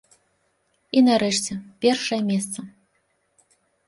І, нарэшце, першае месца.